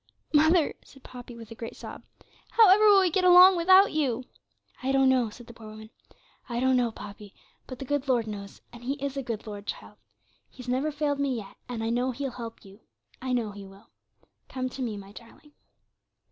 'Mother,' said Poppy, with a great sob, 'however will we get along without you?' 'I don't know,' said the poor woman. 'I don't know, Poppy; but the good Lord knows; and He is a good Lord, child. He's never failed me yet, and I know He'll help you I know He will. Come to me, my darling.'